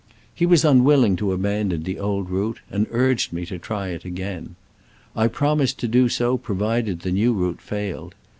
He was unwilling to abandon the old route, and urged me to try it again. I promised to do so provided the new route failed.